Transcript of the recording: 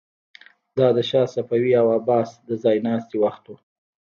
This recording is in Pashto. دا د شاه صفوي او عباس د ځای ناستي وخت و.